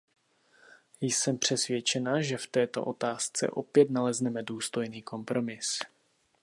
Jsem přesvědčena, že v této otázce opět nalezneme důstojný kompromis.